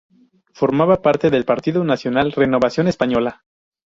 Formaba parte del partido nacional Renovación Española.